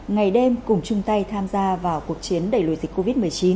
ngày đêm cùng chung tay tham gia vào cuộc chiến đẩy lùi dịch covid một mươi chín